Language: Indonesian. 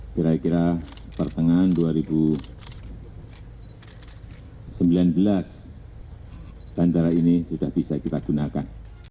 kira kira pertengahan dua ribu sembilan belas bandara ini sudah bisa kita gunakan